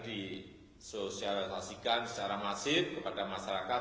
disosialisasikan secara masif kepada masyarakat